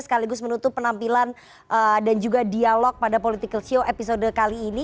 sekaligus menutup penampilan dan juga dialog pada political show episode kali ini